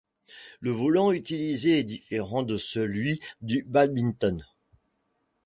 Le volant utilisé est différent de celui du badminton.